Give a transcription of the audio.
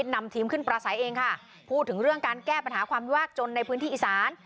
นำทีมขึ้นประสัยเองค่ะพูดถึงเรื่องการแก้ปัญหาความยากจนในพื้นที่อีสาน